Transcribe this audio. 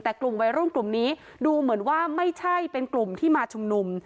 แต่กลุ่มวัยรุ่นกลุ่มนี้ดูเหมือนว่าไม่ใช่เป็นกลุ่มที่มาชุมนุม